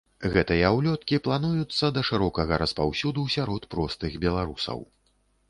Гэтыя ўлёткі плануюцца да шырокага распаўсюду сярод простых беларусаў.